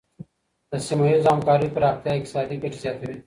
د سیمه ییزو همکاریو پراختیا اقتصادي ګټي زیاتوي.